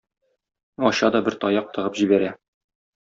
Ача да бер таяк тыгып җибәрә.